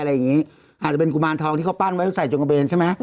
อย่างงี้อาจจะเป็นกุมารทองที่เขาปั้นไว้ใส่จงกระเบนใช่ไหม